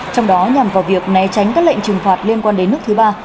trong đó nhằm vào việc né tránh các lệnh trừng phạt liên quan đến nước thứ ba